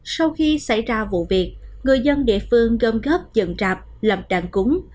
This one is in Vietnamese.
sau khi xảy ra vụ việc người dân địa phương gom góp dần trạp lập đạn cúng